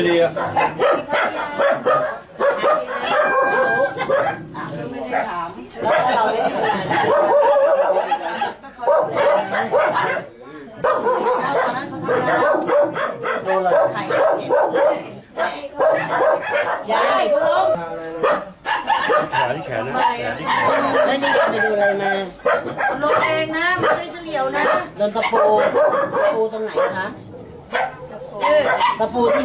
ทะโภที่ไม้สี